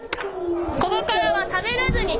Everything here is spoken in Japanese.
ここからはしゃべらずに行きますよ。